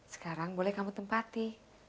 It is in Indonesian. sekarang boleh kamu tempati